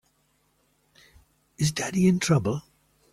Is Daddy in trouble?